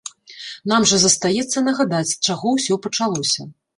Нам жа застаецца нагадаць, з чаго ўсё пачалося.